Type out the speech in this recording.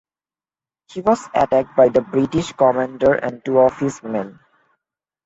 He was attacked by the British commander and two of his men.